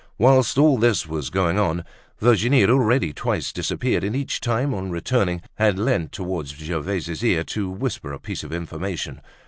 Whilst all this was going on, Virginie had already twice disappeared and each time, on returning, had leant towards Gervaise's ear to whisper a piece of information.